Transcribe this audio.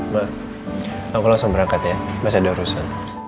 mbak aku langsung berangkat ya masih ada urusan